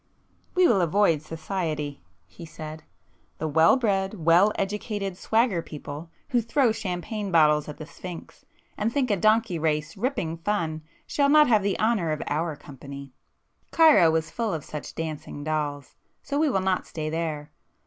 "We will avoid society"—he said—"The well bred, well educated 'swagger' people who throw champagne bottles at [p 389] the Sphinx, and think a donkey race 'ripping fun' shall not have the honour of our company. Cairo is full of such dancing dolls, so we will not stay there.